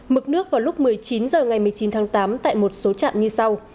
mực nước vào lúc một mươi chín h ngày một mươi chín tháng tám tại một số trạm như sau